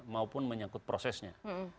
maupun menyangkut prosesnya